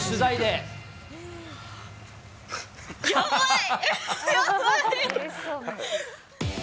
やばい！